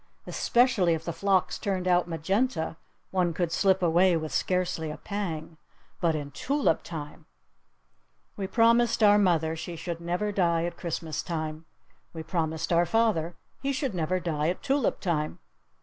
"Especially if the phlox turned out magenta, one could slip away with scarcely a pang. But in tulip time ?" We promised our mother she should never die at Christmas time. We promised our father he should never die at tulip time.